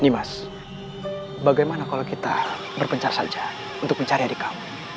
ini mas bagaimana kalau kita berpencar saja untuk mencari adik kamu